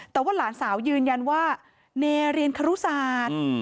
แต่ว่าหลานสายยืนยันว่าน่าเล่้ะเรียนขรุสาตร